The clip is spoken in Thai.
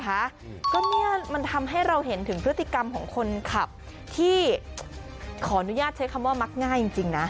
ก็เนี่ยมันทำให้เราเห็นถึงพฤติกรรมของคนขับที่ขออนุญาตใช้คำว่ามักง่ายจริงนะ